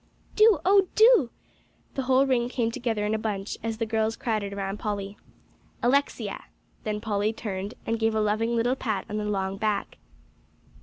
"Do oh, do!" The whole ring came together in a bunch, as the girls all crowded around Polly. "Alexia!" Then Polly turned and gave a loving little pat on the long back.